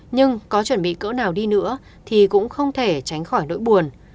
nhưng có chuẩn bị cỡ nào đi nữa thì cũng không thể tránh khỏi nỗi buồn